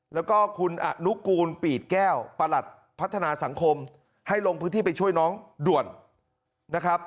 แล้วก็คุณอนุกูลปีดแก้วประหลัดพัฒนาสังคมให้ลงพื้นที่ไปช่วยน้องด่วนนะครับ